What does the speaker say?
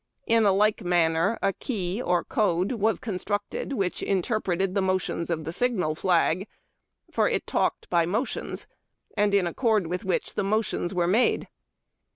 In like man ner, a key, or code, was constructed wliicli interpreted the motions of the signal flag, — for it talked by mo tions, — and in ac cord with which the motions were made.